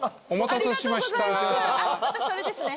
私それですね。